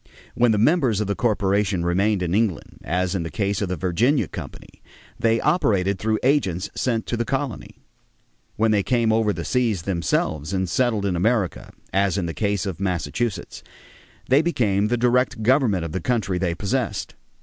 When the members of the corporation remained in England, as in the case of the Virginia Company, they operated through agents sent to the colony. When they came over the seas themselves and settled in America, as in the case of Massachusetts, they became the direct government of the country they possessed.